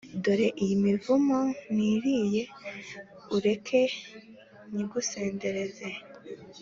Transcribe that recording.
Dore iyi mivugo ntiriye ureke nyigusendereze